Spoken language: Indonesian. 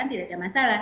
tidak ada masalah